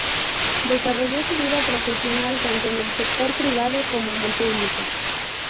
Desarrolló su vida profesional tanto en el sector privado como en el público.